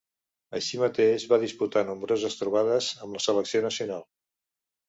Així mateix, va disputar nombroses trobades amb la Selecció Nacional.